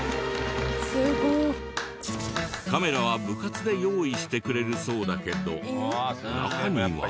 カメラは部活で用意してくれるそうだけど中には。